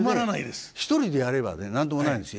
それね一人でやればね何ともないんですよ